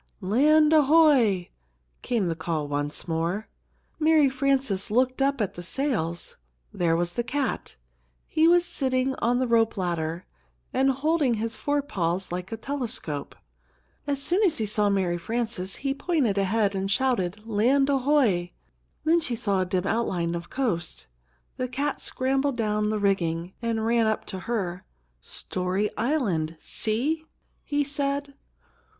"Land ahoy!" came the call once more. Mary Frances looked up at the sails. There was the cat. He was sitting on the rope ladder, and holding his forepaws like a telescope. As soon as he saw Mary Frances, he pointed ahead and shouted, "Land ahoy!" Then she saw a dim outline of coast. The cat scrambled down the rigging, and ran up to her. "Story Island! See!" he said.